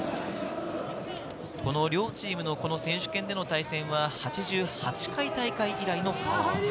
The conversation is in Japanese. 両チームのこの選手権での対戦は８８回大会以来の顔合わせ。